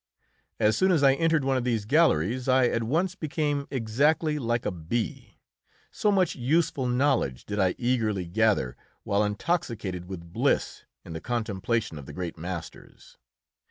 As soon as I entered one of these galleries I at once became exactly like a bee, so much useful knowledge did I eagerly gather while intoxicated with bliss in the contemplation of the great masters.